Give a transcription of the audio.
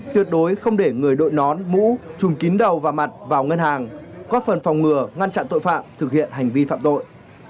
tuyệt đối không để người đội nón mũ trùm kín đầu và mặt vào ngân hàng góp phần phòng ngừa ngăn chặn tội phạm thực hiện hành vi phạm tội